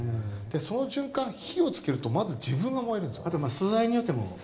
その瞬間、火を付けるとまず自分が燃えるんです。